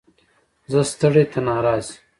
ـ زه ستړى ته ناراضي.